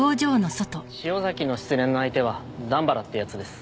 潮崎の失恋の相手は段原って奴です。